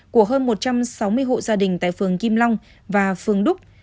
của hơn một trăm sáu mươi hộ gia đình tại phường kim long và phường đúc